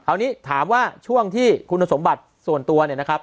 นี้ถามว่าช่วงที่คุณสมบัติส่วนตัวเนี่ยนะครับ